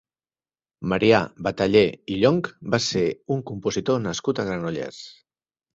Marià Bataller i Llonch va ser un compositor nascut a Granollers.